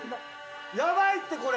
ヤバいってこれ！